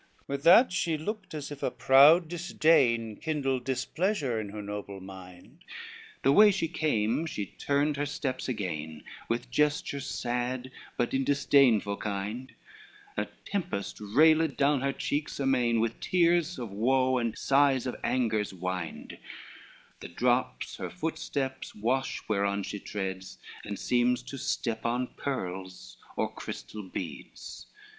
LXXIV With that she looked as if a proud disdain Kindled displeasure in her noble mind, The way she came she turned her steps again, With gesture sad but in disdainful kind, A tempest railed down her cheeks amain, With tears of woe, and sighs of anger's wind; The drops her footsteps wash, whereon she treads, And seems to step on pearls, or crystal beads.